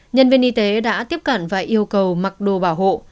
nhân viên y tế đã tiếp cận và yêu cầu mặc đồ bảo hộ